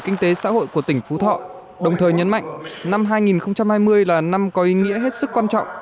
kinh tế xã hội của tỉnh phú thọ đồng thời nhấn mạnh năm hai nghìn hai mươi là năm có ý nghĩa hết sức quan trọng